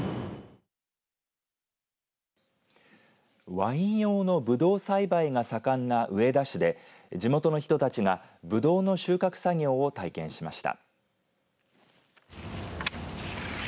ワイン用のぶどう栽培が盛んな上田市で地元の人たちがぶどうの収穫作業を体験しました。